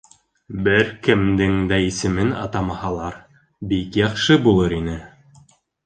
Бер кемдең дә исемен атамаһалар, бик яҡшы булыр ине.